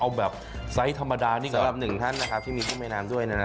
เอาแบบไซส์ธรรมดานี่ก็สำหรับ๑ท่านนะครับที่มีผู้ในไม้น้ำด้วยเนี่ย